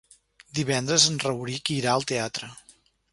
Divendres en Rauric irà al teatre.